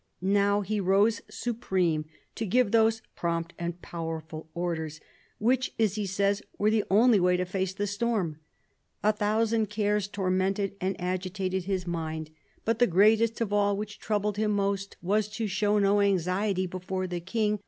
Now he rose supreme, to give those "prompt and powerful orders" which, as he says, were the only way to face the storm. " A thousand cares tormented and agitated his mind ; but THE CARDINAL 185 the greatest of all, which troubled him most, was to show no anxiety before the King.